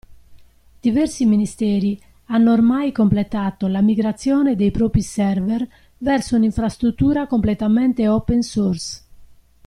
Diversi Ministeri hanno ormai completato la migrazione dei propri server verso un'infrastruttura completamente open source.